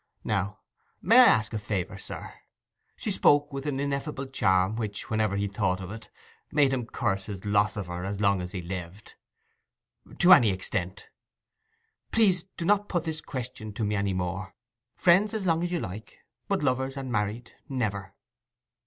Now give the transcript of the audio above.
Now, may I ask a favour, sir?' She spoke with an ineffable charm, which, whenever he thought of it, made him curse his loss of her as long as he lived. 'To any extent.' 'Please do not put this question to me any more. Friends as long as you like, but lovers and married never.